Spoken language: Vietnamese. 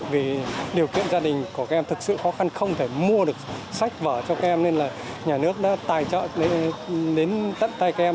vì điều kiện gia đình của các em thực sự khó khăn không thể mua được sách vở cho các em nên là nhà nước đã tài trợ đến tận tay các em